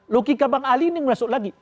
logika bang ali ini masuk lagi